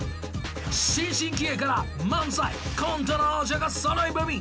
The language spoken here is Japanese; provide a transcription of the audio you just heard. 新人芸から漫才コントの王者がそろい踏み。